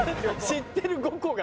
知ってる５個が。